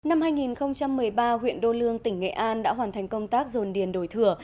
năm hai nghìn một mươi ba huyện đô lương tỉnh nghệ an đã hoàn thành công tác dồn điền đổi thừa